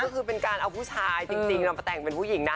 ก็คือเป็นการเอาผู้ชายจริงมาแต่งเป็นผู้หญิงนะ